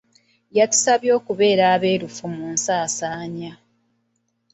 Yatusabye okubeera abeerufu mu nsaansaanya.